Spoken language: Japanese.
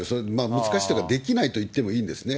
難しいというか、できないといってもいいんですね。